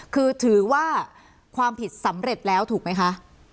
คือถือว่าความผิดสำเร็จแล้วถูกไหมคะ